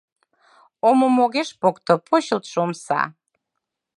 Омым огеш покто почылтшо омса.